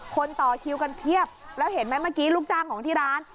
ต่อคิวกันเพียบแล้วเห็นไหมเมื่อกี้ลูกจ้างของที่ร้าน